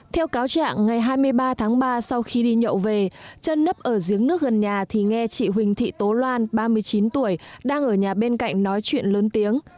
theo cáo trạng ngày hai mươi ba tháng ba sau khi đi nhậu về chân nấp ở giếng nước gần nhà thì nghe chị huỳnh thị tố loan ba mươi chín tuổi đang ở nhà bên cạnh nói chuyện lớn tiếng